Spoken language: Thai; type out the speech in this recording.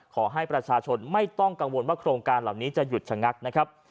ขอให้ประชาชนไม่ต้องกังวลว่าโครงการเหล่านี้จะหยุดชะงักนะครับ